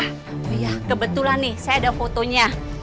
iya kebetulan nih saya ada fotonya